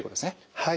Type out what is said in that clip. はい。